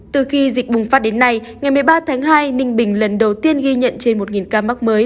từ khi dịch bùng phát đến nay ngày một mươi ba tháng hai ninh bình lần đầu tiên ghi nhận trên một ca mắc mới